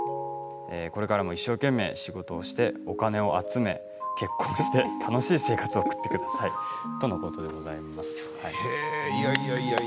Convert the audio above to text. これからも一生懸命、仕事をしてお金を集め、結婚して楽しい生活を送ってください。とのことでございます。